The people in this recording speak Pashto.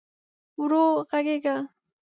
ورو ږغېږه !